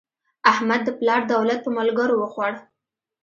احمد د پلار دولت په ملګرو وخوړ.